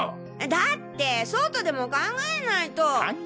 だってそうとでも考えないとっ！